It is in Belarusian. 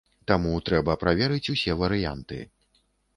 Таму трэба праверыць усе варыянты.